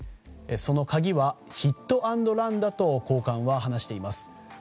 その鍵はヒット・アンド・ランだと高官は話しています。